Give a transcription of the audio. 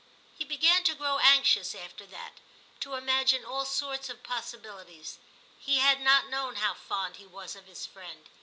He began to grow anxious after that ; to imagine all sorts of possibilities ; he had not known how fond he was of his friend.